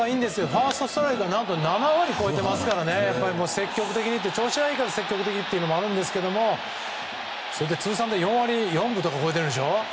ファーストストライクが７割超えていますから調子がいいから積極的というのもあるんですが通算で４割４分とか超えてるでしょ。